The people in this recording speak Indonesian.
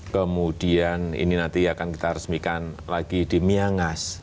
kemudian ini nanti akan kita resmikan lagi di miangas